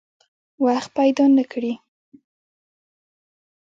وخت پیدا نه کړي.